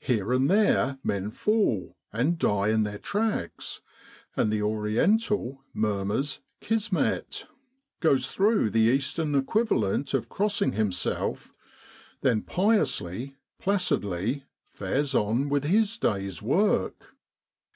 Here and there men fall, and die in their tracks; and the Oriental murmurs " Kismet," goes through the Eastern equivalent of crossing himself, then piously, placidly, fares on with his day's work.